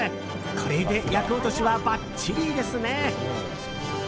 これで厄落としはばっちりですね！